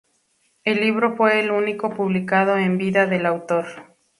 El libro fue el único publicado en vida del autor.